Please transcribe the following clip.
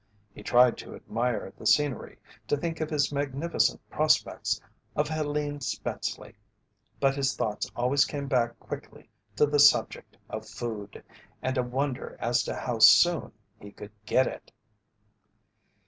He tried to admire the scenery, to think of his magnificent prospects, of Helene Spenceley, but his thoughts always came back quickly to the subject of food and a wonder as to how soon he could get it.